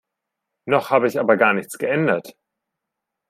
Noch habe ich aber gar nichts geändert.